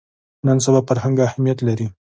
نن سبا فرهنګ اهمیت لري